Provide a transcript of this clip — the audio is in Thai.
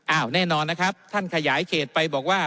แน่นอนนะครับท่านขยายเขตไปบอกว่า